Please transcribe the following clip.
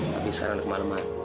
tapi sekarang udah kemarin ma